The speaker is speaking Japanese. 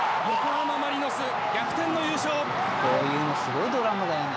こういうのすごいドラマだよな。